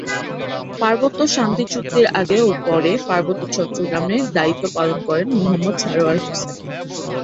পার্বত্য শান্তি চুক্তির আগে ও পরে পার্বত্য চট্টগ্রামে দায়িত্ব পালন করেন মো: সারওয়ার হোসেন।